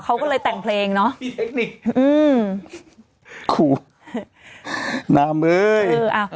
เขาก็เลยแต่งเพลงเนาะ